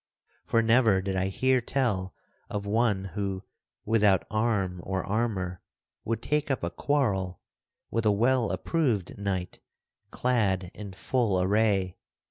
For never did I hear tell of one who, without arm or armor, would take up a quarrel with a well approved knight clad in full array.